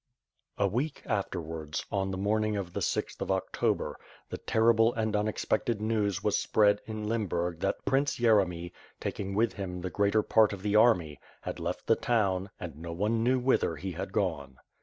A week afterwards, on the morning of the sixth of October, the terrible and unexpected news was spread in Lemburg that Prince Yeremy, taking with him the greater part of the army, had loft the town and no one knew whither he had gone.